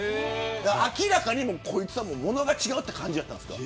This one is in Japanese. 明らかに、こいつは物が違うという感じだったんですか。